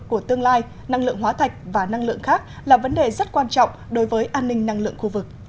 của tương lai năng lượng hóa thạch và năng lượng khác là vấn đề rất quan trọng đối với an ninh năng lượng khu vực